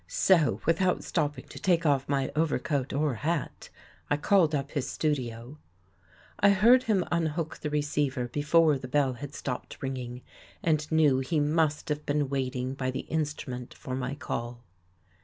So, without stopping to take off my overcoat or hat, I called up his studio. I heard him unhook the receiver before the bell had stopped ringing and knew he must have been waiting by the instrument for my call.